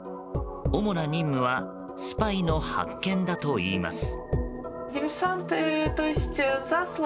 主な任務はスパイの発見だといいます。